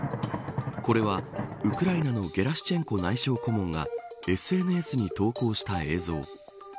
これは、ウクライナのゲラシチェンコ内相顧問がＳＮＳに投稿した映像。